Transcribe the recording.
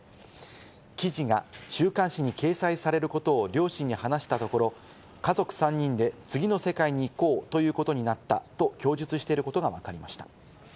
記事が週刊誌に掲載されることを両親に話したところ、家族３人で次の世界に行こうということになったと供述していることがわかりました。